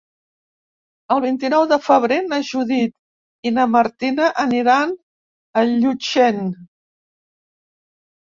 El vint-i-nou de febrer na Judit i na Martina aniran a Llutxent.